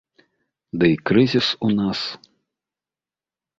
Ды і крызіс у нас.